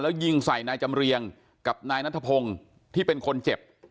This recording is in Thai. แล้วยิงใส่นายจำเรียงกับนายนัทพงศ์ที่เป็นคนเจ็บ